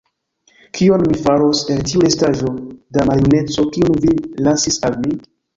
Kion mi faros el tiu restaĵo da maljuneco, kiun vi lasis al mi?